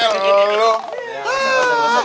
ya nggak usah ngusah